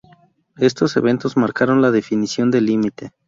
Estos eventos marcaron la definición del límite.